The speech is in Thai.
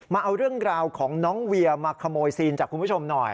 เอาเรื่องราวของน้องเวียมาขโมยซีนจากคุณผู้ชมหน่อย